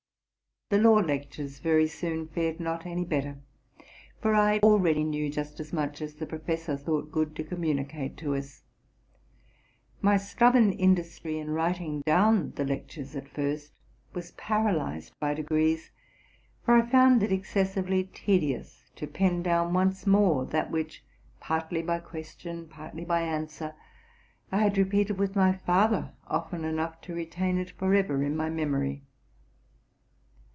The law lectures very soon fared not any better, for I already knew just as mueh as the professor thought good to communicate to us. My stubborn industry in writing down the lectures at first, was paralyzed by degrees ; for I found it excessively tedious to pen down once more that which, partly by question, partly by answer, I had repeated with my father often enough to retain it forever in my memory.